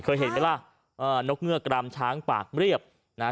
เคยเห็นไหมล่ะเอ่อนกเงือกกรามช้างปากเรียบนะฮะ